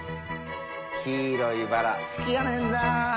黄色いバラ好きやねんなぁ。